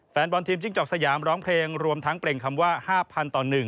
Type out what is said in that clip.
แฟนบอลทีมจิ้งจอกสยามร้องเพลงรวมทั้งเปล่งคำว่า๕๐๐ต่อ๑